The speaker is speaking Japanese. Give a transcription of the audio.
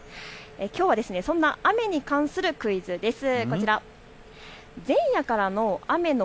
きょうはそんな雨に関するクイズです。